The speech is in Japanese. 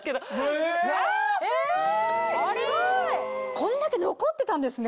こんだけ残ってたんですね。